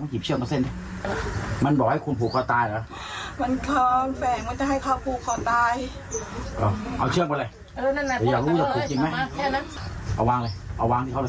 กลัว